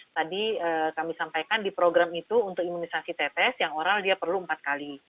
tadi kami sampaikan di program itu untuk imunisasi tetes yang oral dia perlu empat kali